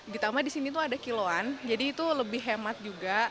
ditambah di sini tuh ada kiloan jadi itu lebih hemat juga